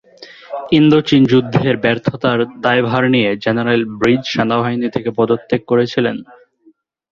ইন্দো-চীন যুদ্ধের ব্যর্থতার দায়ভার নিয়ে জেনারেল ব্রিজ সেনাবাহিনী থেকে পদত্যাগ করেছিলেন।